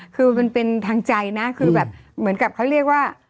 คือมันเป็นทางใจนะคือแบบเหมือนกับเขาเรียกว่า